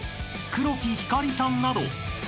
［黒木ひかりさんなど］